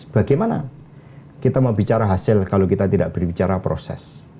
bagaimana kita mau bicara hasil kalau kita tidak berbicara proses